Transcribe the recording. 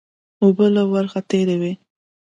اوبه له ورخه تېرې وې